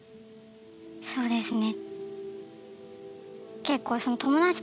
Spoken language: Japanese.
そうですね。